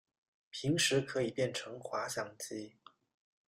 平时可以变成滑翔机。